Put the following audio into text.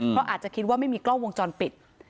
เพราะอาจจะคิดว่าไม่มีกล้องวงจรปิด